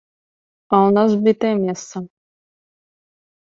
А ў нас бітае месца.